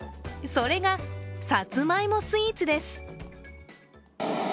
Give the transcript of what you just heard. それが、さつまいもスイーツです。